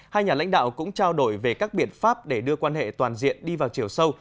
hai nhà lãnh đạo cũng trao đổi về các biện pháp để đưa quan hệ toàn diện đi vào chiều sâu